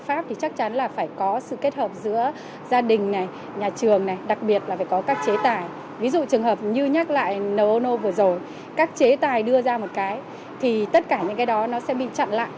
phải có các chế tài ví dụ trường hợp như nhắc lại nấu nô vừa rồi các chế tài đưa ra một cái thì tất cả những cái đó nó sẽ bị chặn lại